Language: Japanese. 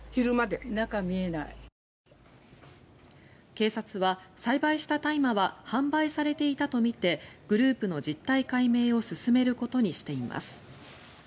警察は、栽培した大麻は販売されていたとみてグループの実態解明を進めることにしています。